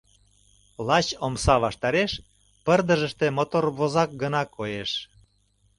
Лач омса ваштареш пырдыжыште мотор возак гына коеш.